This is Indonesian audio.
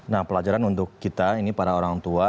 nah pelajaran untuk kita ini para orang tua